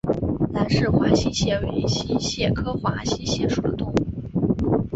兰氏华溪蟹为溪蟹科华溪蟹属的动物。